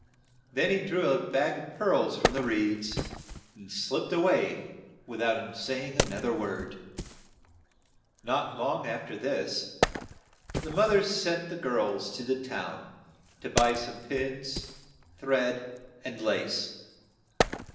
Then he drew a bag of pearls from the reeds, and slipped a way with out say ing an oth er word. Not long af ter this, the moth er sent the girls to the town to buy some pins, thread, and lace.